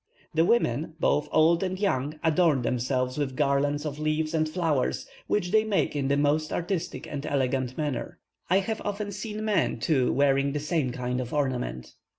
The women, both old and young, adorn themselves with garlands of leaves and flowers, which they make in the most artistic and elegant manner. I have often seen men, too, weaving the same kind of ornament.